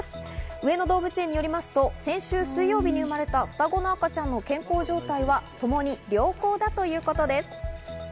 上野動物園によりますと、先週水曜日に生まれた双子の赤ちゃんの健康状態はともに良好だということです。